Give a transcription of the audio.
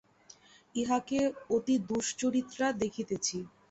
ইহাকে অতি দুশ্চরিত্রা দেখিতেছি।